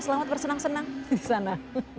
selamat bersenang senang disana